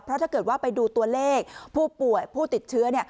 เพราะถ้าเกิดว่าไปดูตัวเลขผู้ป่วยผู้ติดเชื้อ